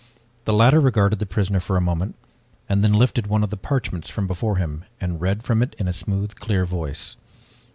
The latter regarded the prisoner for a moment, and then lifted one of the parchments from before him and read from it in a smooth, clear voice.